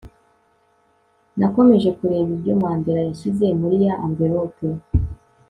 Nakomeje kureba ibyo Mandela yashyize muri ya envelope